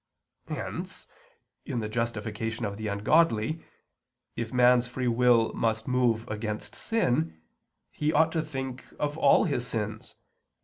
Hence, in the justification of the ungodly, if man's free will must move against sin, he ought to think of all his sins.